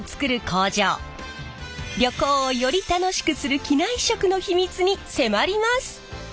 旅行をより楽しくする機内食の秘密に迫ります！